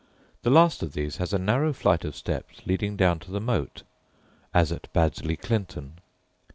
The last of these has a narrow flight of steps leading down to the moat, as at Baddesley Clinton.